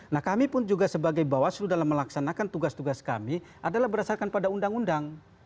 nah kami pun juga sebagai bawaslu dalam melaksanakan tugas tugas kami adalah berdasarkan pada undang undang